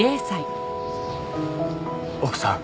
奥さん。